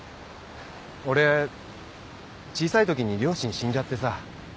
俺小さいときに両親死んじゃってさ。